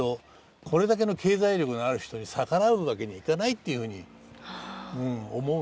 これだけの経済力のある人に逆らうわけにいかないっていうふうに思うんです。